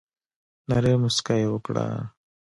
نرۍ مسکا یي وکړه